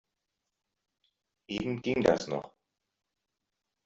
Eben ging das noch.